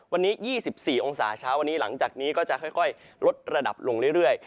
วันนี้๒๔องศาเช้าวันนี้หลังจากนี้ก็จะค่อยลดระดับลงเรื่อย